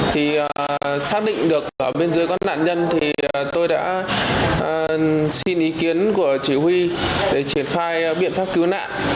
thì xác định được ở bên dưới có nạn nhân thì tôi đã xin ý kiến của chỉ huy để triển khai biện pháp cứu nạn